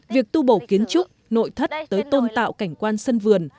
việc tu bổ kiến trúc nội thất tới tôn tạo cảnh quan sân vườn